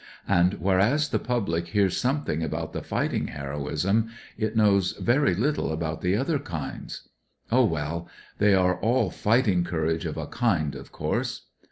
And, whereas the public hears something about the fighting heroism, it knows very little about the other kmds. Oh, well, they are all fighting courage, of a kind, of course.